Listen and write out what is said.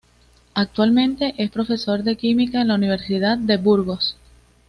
Actualmente, es profesor de química en la Universidad de Burgos.